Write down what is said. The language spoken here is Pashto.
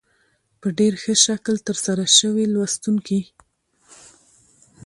په ډېر ښه شکل تر سره شوې لوستونکي